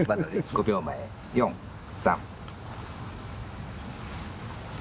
５秒前４３。